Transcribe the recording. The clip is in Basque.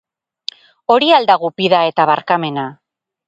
Hori al da gupida eta barkamena?